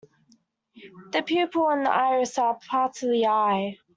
The pupil and iris are parts of the eye.